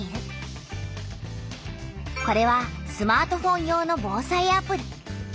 これはスマートフォン用の「防災アプリ」。